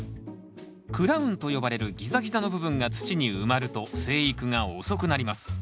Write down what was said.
クラウンと呼ばれるギザギザの部分が土に埋まると生育が遅くなります。